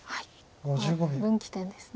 分岐点ですね。